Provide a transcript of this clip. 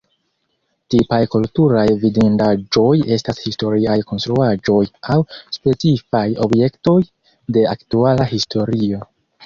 Tipaj kulturaj vidindaĵoj estas historiaj konstruaĵoj aŭ specifaj objektoj de aktuala historio.